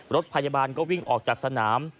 รถพยาบาลก็วิ่งออกจากสนาม